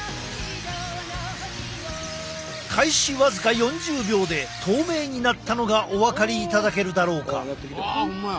開始僅か４０秒で透明になったのがお分かりいただけるだろうか。